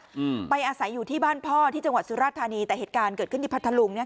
อืมไปอาศัยอยู่ที่บ้านพ่อที่จังหวัดสุราธานีแต่เหตุการณ์เกิดขึ้นที่พัทธลุงเนี้ย